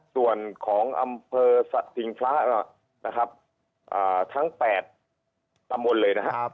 ส่วนของอำเภอสติงพระนะครับทั้ง๘ตำบลเลยนะครับ